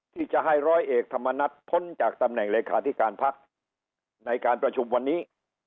ที่จะให้ร้อยเอกธรรมนัฐพ้นจากตำแหน่งเลขาธิการพักในการประชุมวันนี้